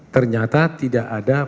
ternyata tidak ada